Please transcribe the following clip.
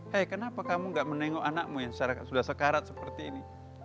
hei kenapa kamu gak menengok anakmu yang sudah sekarat seperti ini